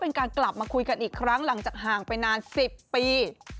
เป็นการกลับมาคุยกันอีกครั้งหลังจากห่างไปนาน๑๐ปี